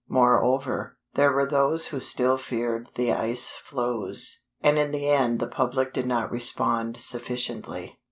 Moreover, there were those who still feared the ice floes; and in the end the public did not respond sufficiently.